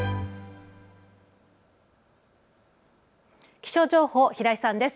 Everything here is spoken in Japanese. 気象情報、平井さんです。